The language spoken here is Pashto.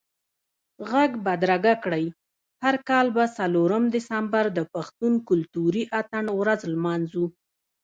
ږغ بدرګه کړئ، هر کال به څلورم دسمبر د پښتون کلتوري اتڼ ورځ لمانځو